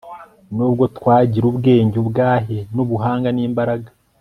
Nubgo twagirubgenge ubgahe n ubuhanga nimbaraga